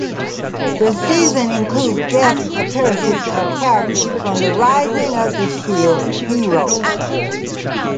The season includes guest appearances of characters from "The Rising of the Shield Hero".